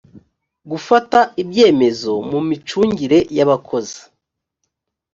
gufata ibyemezo mu micungire y abakozi